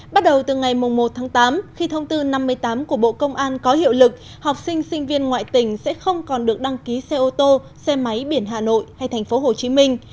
bắt đầu từ ngày một tháng tám khi thông tư năm mươi tám của bộ công an có hiệu lực học sinh sinh viên ngoại tỉnh sẽ không còn được đăng ký xe ô tô xe máy biển hà nội hay thành phố hồ chí minh